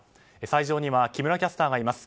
斎場には木村キャスターがいます。